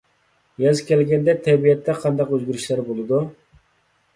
ياز كەلگەندە تەبىئەتتە قانداق ئۆزگىرىشلەر بولىدۇ؟